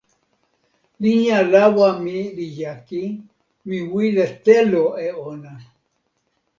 linja lawa mi li jaki. mi wile telo e ona.